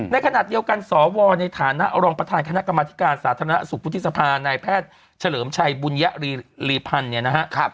ในขณะเดียวกันสวในฐานะรองประธานคณะกรรมนาธิการสาธารณสุขภูมิทธิสภานายแพทย์เฉลิมชัยบุญญารีพันธุ์